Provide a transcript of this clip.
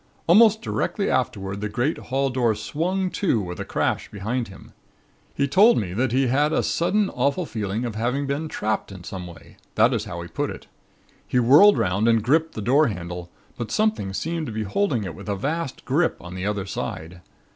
Almost directly afterward the great hall door swung to with a crash behind him. He told me that he had a sudden awful feeling of having been trapped in some way that is how he put it. He whirled 'round and gripped the door handle, but something seemed to be holding it with a vast grip on the other side.